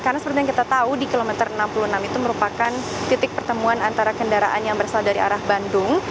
karena seperti yang kita tahu di kilometer enam puluh enam itu merupakan titik pertemuan antara kendaraan yang berasal dari arah bandung